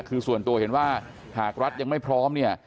คือส่วนตัวเห็นว่าหากรัฐยังไม่พร้อมเนี่ย